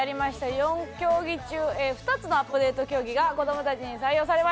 ４競技中２つのアップデート競技が子どもたちに採用されました。